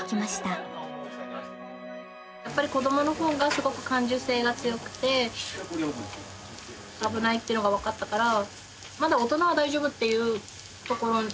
やっぱり子どものほうがすごく感受性が強くて危ないっていうのが分かったからまだ大人は大丈夫っていうところなんですね。